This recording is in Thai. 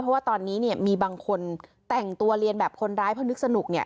เพราะว่าตอนนี้เนี่ยมีบางคนแต่งตัวเรียนแบบคนร้ายเพราะนึกสนุกเนี่ย